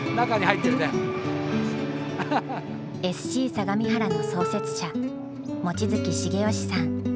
相模原の創設者望月重良さん。